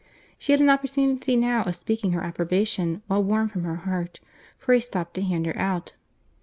She had an opportunity now of speaking her approbation while warm from her heart, for he stopped to hand her out.